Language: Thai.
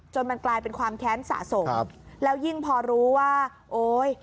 มันกลายเป็นความแค้นสะสมแล้วยิ่งพอรู้ว่าโอ๊ย